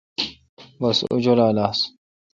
بس اوں جولال آس